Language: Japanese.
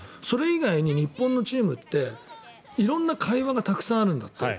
それ以外に日本のチームって色んな会話がたくさんあるんだって。